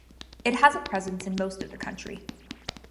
It has a presence in most of the country.